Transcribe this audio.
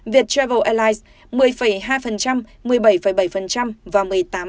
việt travel airlines một mươi hai một mươi bảy bảy và một mươi tám sáu